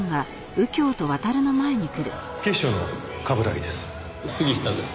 警視庁の冠城です。